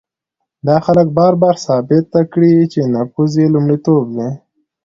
دا خلک بار بار ثابته کړې چې نفوذ یې لومړیتوب دی.